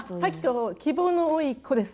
希望の多い子です。